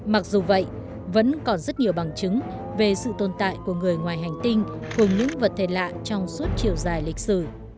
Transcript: mặc dù vậy vẫn còn rất nhiều bằng chứng về sự tồn tại của người ngoài hành tinh cùng những vật thể lạ trong suốt chiều dài lịch sử